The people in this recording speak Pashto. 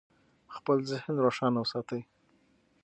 خپل ذهن روښانه وساتئ.